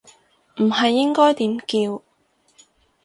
唔係應該點叫